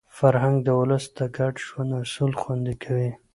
فرهنګ د ولس د ګډ ژوند اصول خوندي کوي.